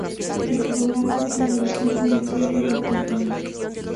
El programa finalizó con el cierre del torneo.